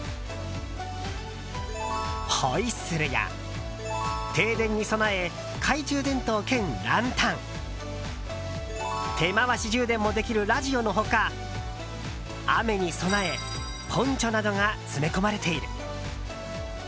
ホイッスルや停電に備え懐中電灯兼ランタン手回し充電もできるラジオの他雨に備え、ポンチョなどが詰め込まれている。